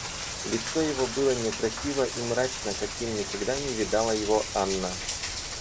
Лицо его было некрасиво и мрачно, каким никогда не видала его Анна.